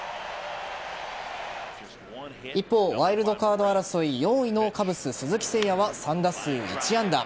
一方、ワイルドカード争い４位のカブス・鈴木誠也は３打数１安打。